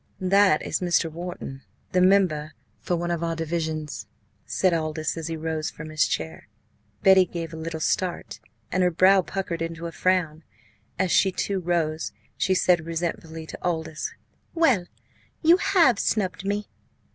"That is Mr. Wharton, the member for one of our divisions," said Aldous, as he rose from his chair. Betty gave a little start, and her brow puckered into a frown. As she too rose, she said resentfully to Aldous: "Well, you have snubbed me!"